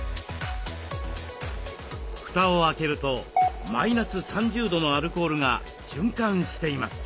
蓋を開けるとマイナス３０度のアルコールが循環しています。